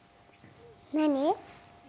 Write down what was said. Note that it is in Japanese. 何？